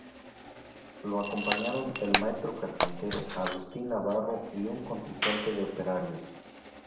Lo acompañaron el maestro carpintero Agustín Navarro y un contingente de operarios.